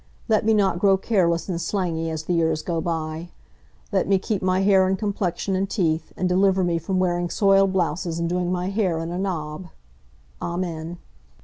Let me not grow careless and slangy as the years go by. Let me keep my hair and complexion and teeth, and deliver me from wearing soiled blouses and doing my hair in a knob. Amen."